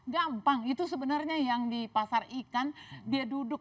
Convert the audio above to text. gampang itu sebenarnya yang di pasar ikan dia duduk